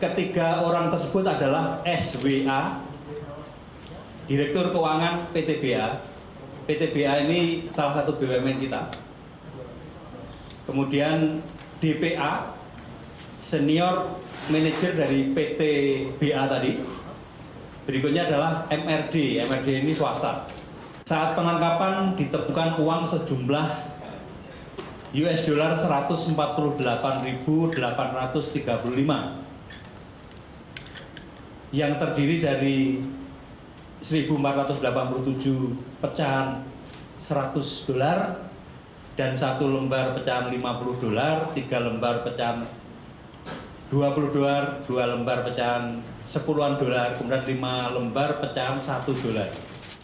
ketiga orang yang ditangkap adalah direktur pt brantas abipraya swa kemudian senior manager pt brantas abipraya inisial dpa dan mrg yang merupakan pihak swasta sebagai tersangka oleh kpk